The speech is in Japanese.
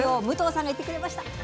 武藤さんが行ってくれました。